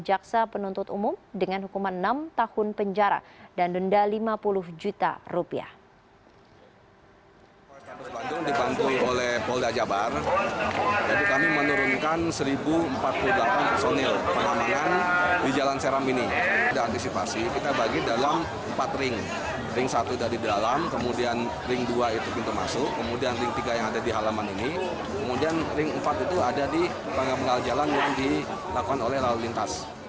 jaksa penuntut umum dengan hukuman enam tahun penjara dan denda rp lima puluh juta